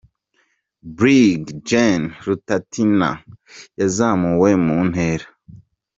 Brig Gen Rutatina yazamuwe mu ntera